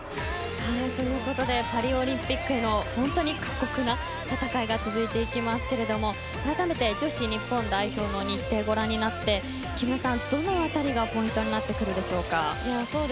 パリオリンピックへの過酷な戦いが続いていきますが改めて女子日本代表の日程をご覧になって木村さん、どの辺りがポイントになるでしょうか。